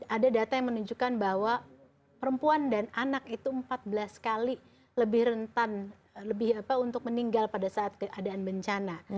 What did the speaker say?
ada data yang menunjukkan bahwa perempuan dan anak itu empat belas kali lebih rentan untuk meninggal pada saat keadaan bencana